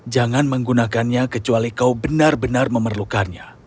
jangan menggunakannya kecuali kau benar benar memerlukannya